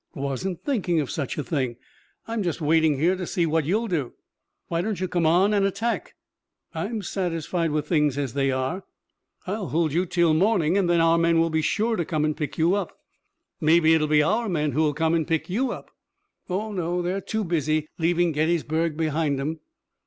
"Wasn't thinking of such a thing. I'm just waiting here to see what you'll do. Why don't you come on and attack?" "I'm satisfied with things as they are. I'll hold you until morning and then our men will be sure to come and pick you up." "Maybe it will be our men who will come and pick you up." "Oh, no; they're too busy leaving Gettysburg behind 'em."